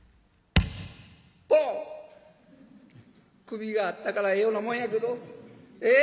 首があったからええようなもんやけどええ？